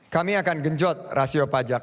kami akan genjot rasio pajak